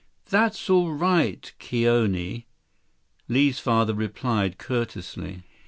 "That's all right, Kioni," Li's father replied courteously.